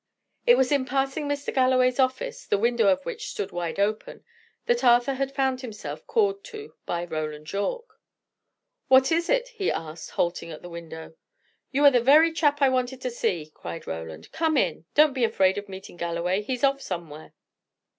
It was in passing Mr. Galloway's office, the window of which stood wide open, that Arthur had found himself called to by Roland Yorke. "What is it?" he asked, halting at the window. "You are the very chap I wanted to see," cried Roland. "Come in! Don't be afraid of meeting Galloway: he's off somewhere."